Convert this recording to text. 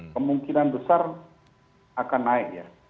kemungkinan besar akan naik ya